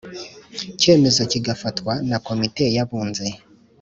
Cyemezo kigafatwa na komite y abunzi